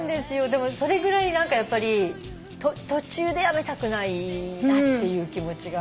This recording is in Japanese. でもそれぐらい何かやっぱり途中でやめたくないなっていう気持ちが。